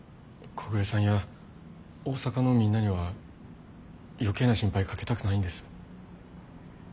木暮さんや大阪のみんなには余計な心配かけたくないんです。